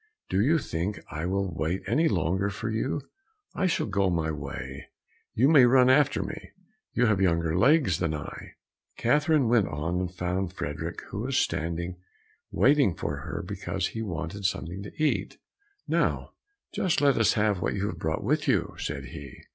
Do you think I will wait any longer for you? I shall go my way, you may run after me; you have younger legs than I." Catherine went on and found Frederick, who was standing waiting for her because he wanted something to eat. "Now just let us have what you have brought with you," said he.